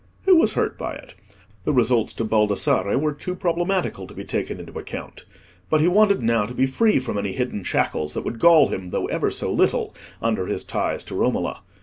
Who was hurt by it? The results to Baldassarre were too problematical to be taken into account. But he wanted now to be free from any hidden shackles that would gall him, though ever so little, under his ties to Romola.